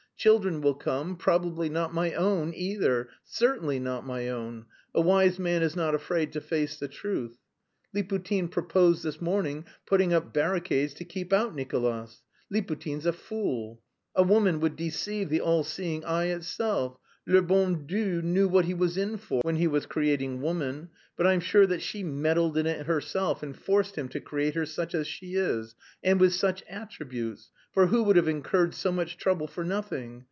Children will come, probably not my own either certainly not my own: a wise man is not afraid to face the truth. Liputin proposed this morning putting up barricades to keep out Nicolas; Liputin's a fool. A woman would deceive the all seeing eye itself. Le bon Dieu knew what He was in for when He was creating woman, but I'm sure that she meddled in it herself and forced Him to create her such as she is... and with such attributes: for who would have incurred so much trouble for nothing?